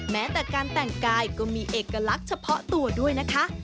แม้แต่การแต่งกายก็มีเอกลักษณ์เฉพาะตัวด้วยนะคะ